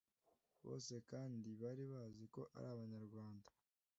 Bose kandi baribazi ko ari Abanyarwanda,